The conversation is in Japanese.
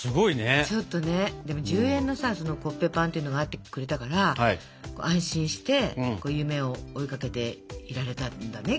でも１０円のさそのコッペパンっていうのがあってくれたから安心して夢を追いかけていられたんだね。